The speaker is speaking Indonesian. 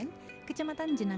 pertama hobi sih mas